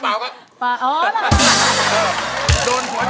ไม่ใช้